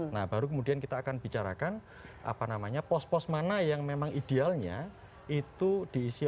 nah baru kemudian kita akan bicarakan apa namanya pos pos mana yang memang idealnya itu diisi oleh